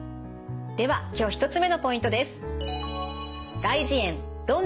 では今日１つ目のポイントです。